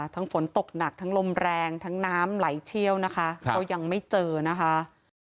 ฝนตกหนักทั้งลมแรงทั้งน้ำไหลเชี่ยวนะคะก็ยังไม่เจอนะคะ